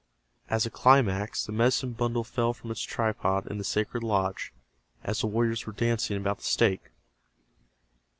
As a climax the medicine bundle fell from its tripod in the sacred lodge, as the warriors were dancing about the stake.